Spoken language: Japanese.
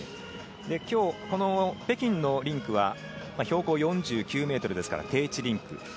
今日、この北京のリンクは、標高４９ｍですから低地リンク。